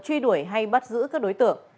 truy đuổi hay bắt giữ các đối tượng